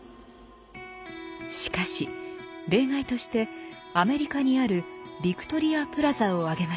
しかし例外としてアメリカにある「ヴィクトリア・プラザ」を挙げました。